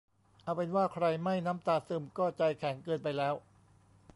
เอาเป็นว่าใครไม่น้ำตาซึมก็ใจแข็งเกินไปแล้ว